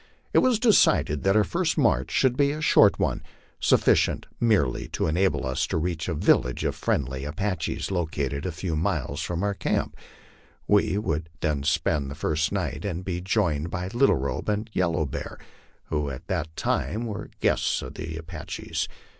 It was decided that our first march should be a short one, suffi cient merely to enable us to reach a village of friendly Apaches, located a few miles from our camp, where we would spend the first night and be joined by Little Robe and Yellow Bear, who at that time were guests of the Apaches.